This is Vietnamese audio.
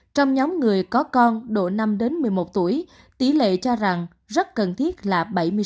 trong nhóm người có con độ năm đến một mươi một tuổi tỷ lệ cho rằng rất cần thiết là bảy mươi sáu